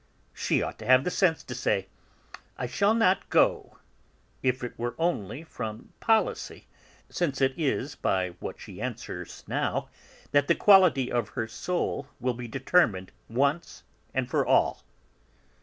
She ought to have the sense to say: 'I shall not go,' if it were only from policy, since it is by what she answers now that the quality of her soul will be determined once and for all."